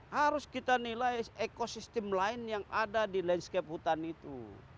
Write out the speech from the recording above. harus kita nilai ekosistem lain yang ada di landscape hutan itu